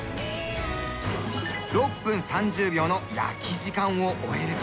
６分３０秒の焼き時間を終えると。